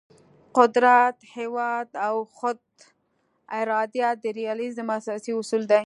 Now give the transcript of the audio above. قدرت، هیواد او خود ارادیت د ریالیزم اساسي اصول دي.